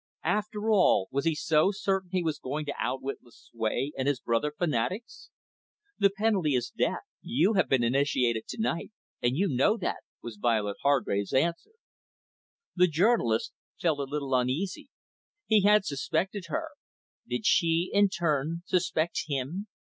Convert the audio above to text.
After all, was he so certain he was going to outwit Lucue and his brother fanatics. "The penalty is death. You have been initiated to night, and you know that," was Violet Hargrave's answer. The journalist felt a little uneasy. He had suspected her. Did she, in turn, suspect him?